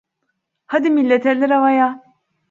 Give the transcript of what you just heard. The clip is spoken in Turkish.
Hadi millet, eller havaya!